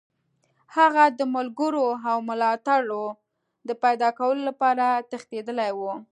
هغه د ملګرو او ملاتړو د پیداکولو لپاره تښتېدلی وو.